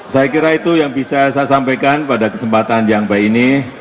saya kira itu yang bisa saya sampaikan pada kesempatan yang baik ini